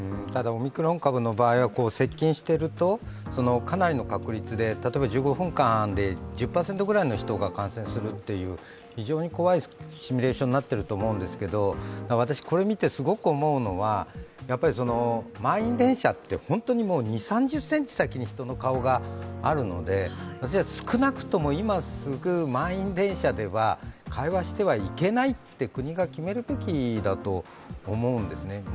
オミクロン株の場合は接近してるとかなりの確率で例えば１５分間で１０％ぐらいの人が感染するという非常に怖いシミュレーションになっていると思うんですけど、私、これ見てすごく思うのは満員電車って本当に２０３０ｃｍ先に人の顔があるので、少なくとも今すぐ満員電車では、会話してはいけないと国が決めるべきだと思うんですね。